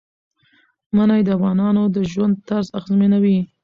منی د افغانانو د ژوند طرز اغېزمنوي.